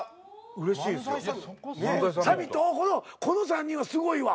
この３人はすごいわ。